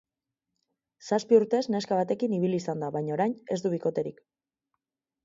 Zazpi urtez neska batekin ibili izan da, baina orain ez du bikoterik.